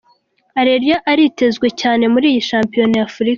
Areruya aritezwe cyane muri iyi shampiyona y’Afurika.